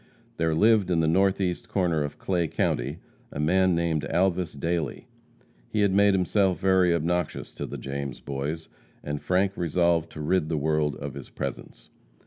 There lived in the northeast corner of Clay county a man named Alvas Dailey. He had made himself very obnoxious to the James Boys, and Frank resolved to rid the world of his presence.